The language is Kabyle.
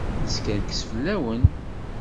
Neskerkes fell-awen.